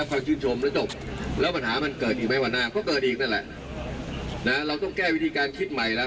นะฮะเราต้องแก้วิธีการคิดใหม่แล้ว